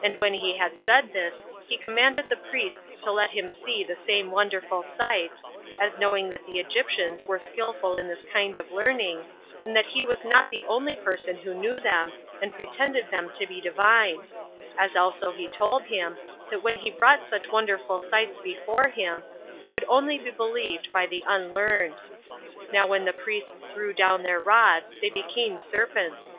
And when he had said this, he commanded the priests to let him see the same wonderful sights; as knowing that the Egyptians were skillful in this kind of learning, and that he was not the only person who knew them, and pretended them to be divine; as also he told him, that when he brought such wonderful sights before him, he would only be believed by the unlearned. Now when the priests threw down their rods, they became serpents.